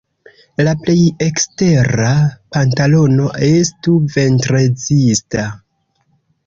La plej ekstera pantalono estu ventrezista.